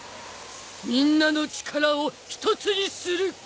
みんなの力をひとつにする。